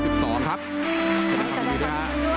เจ้าหน้ากลับมาดูด้วยค่ะ